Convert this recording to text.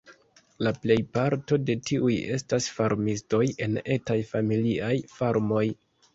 La plejparto de tiuj estas farmistoj en etaj familiaj farmoj.